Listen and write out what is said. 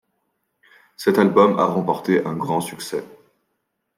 Cet album a remporté un grand succès.